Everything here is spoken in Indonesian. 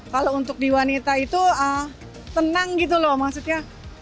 kalau untuk di wanita itu tenang gitu loh maksudnya